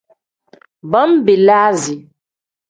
Bangbilasi.